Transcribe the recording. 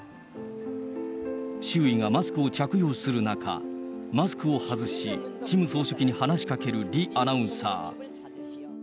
周囲がマスクを着用する中、マスクを外し、キム総書記に話しかけるリアナウンサー。